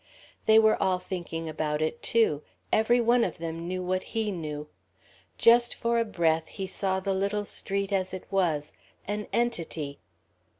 They were all thinking about it, too. Every one of them knew what he knew.... Just for a breath he saw the little street as it was: an entity.